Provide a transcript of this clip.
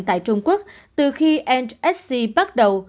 tại trung quốc từ khi nsc bắt đầu